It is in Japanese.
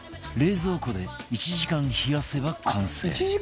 冷蔵庫で１時間冷やせば完成